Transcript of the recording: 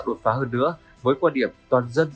đột phá hơn nữa với quan điểm toàn dân